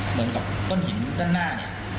เหมือนกับข้นหินด้านหน้า